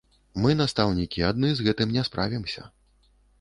Мы, настаўнікі, адны з гэтым не справімся.